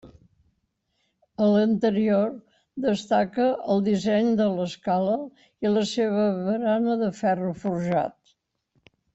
A l'interior destaca el disseny de l'escala i la seva barana de ferro forjat.